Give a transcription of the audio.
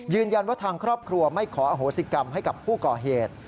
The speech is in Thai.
ทางครอบครัวไม่ขออโหสิกรรมให้กับผู้ก่อเหตุ